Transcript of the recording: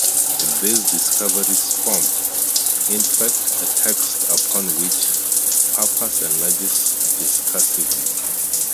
These discoveries form, in fact, a text upon which Pappus enlarges discursively.